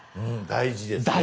大事です。